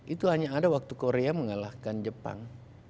itu hanya ada waktu korea mengalahkan jepang